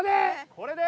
これで？